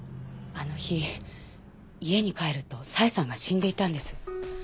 あの日家に帰ると佐江さんが死んでいたんです。